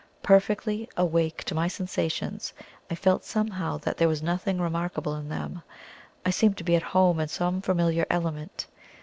Perfectly awake to my sensations, I felt somehow that there was nothing remarkable in them I seemed to be at home in some familiar element.